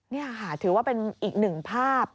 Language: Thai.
นี่ค่ะถือว่าเป็นอีกหนึ่งภาพ